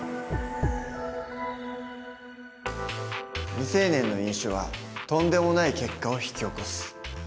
未成年の飲酒はとんでもない結果を引き起こす。